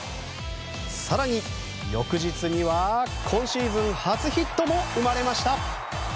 更に、翌日には今シーズン初ヒットも生まれました。